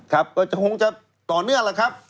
คำจะคงจะต่อเนื่องแหละครับ